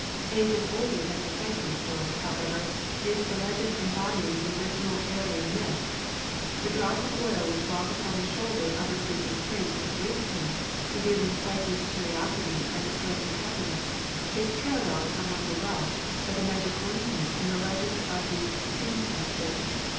Ages older than the Psyche story, however, is the legend embodying the original Aryan myth. The drop of oil which falls upon the shoulder of the sleeping prince and wakes him, revealing Psyche's curiosity and destroying her happiness, is paralleled among the Welsh by the magic ointment in the legend of the Fiend Master.